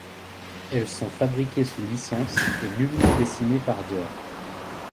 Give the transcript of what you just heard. Elles sont fabriquées sous licence et nullement dessinées par Dior.